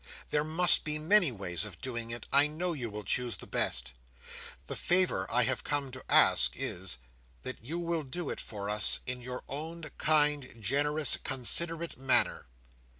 There must be many ways of doing it. I know you will choose the best. The favour I have come to ask is, that you will do it for us in your own kind, generous, considerate manner.